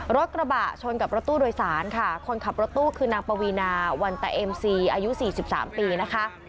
รถกระบะชนกับรถตู้โดยสารค่ะคนขับรถตู้คือนางปวีนาวันตะเอ็มซีอายุ๔๓ปีนะคะ